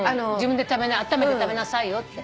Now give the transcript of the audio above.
あっためて食べなさいよって。